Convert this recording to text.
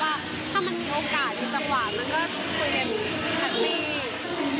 ว่าถ้ามันมีโอกาสอยู่ต่างหวัดมันก็คุยอย่างนี้แฮปปี้